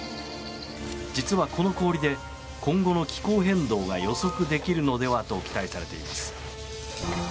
実はこの氷で今後の気候変動が予測できるのではないかと期待されています。